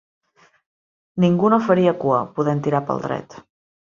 Ningú no faria cua, podent tirar pel dret.